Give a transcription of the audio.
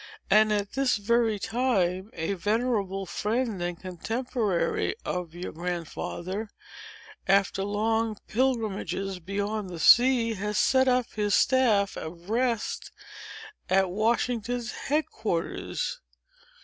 And, at this very time, a venerable friend and contemporary of your Grandfather, after long pilgrimages beyond the sea, has set up his staff of rest at Washington's head quarters."